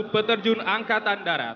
satu peterjun angkatan darat